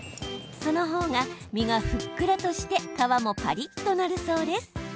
その方が、身がふっくらとして皮もパリッとなるそうです。